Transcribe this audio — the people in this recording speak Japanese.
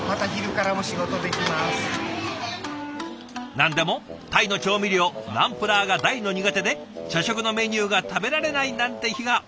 何でもタイの調味料ナンプラーが大の苦手で社食のメニューが食べられないなんて日が多かったんだとか。